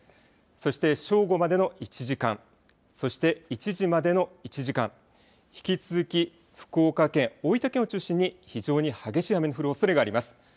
そして正午までの１時間、そして１時までの１時間、引き続き福岡県、大分県を中心に非常に激しい雨の降るおそれがあります。